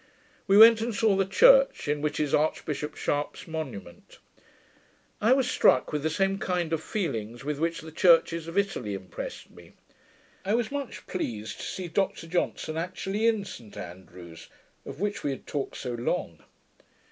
We went and saw the church, in which is Archbishop Sharp's monument. I was struck with the same kind of feelings with which the churches of Italy impressed me. I was much pleased, to see Dr Johnson actually in St Andrews, of which we had talked so long.